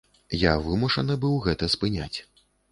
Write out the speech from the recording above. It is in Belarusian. Я вымушаны быў гэта спыняць.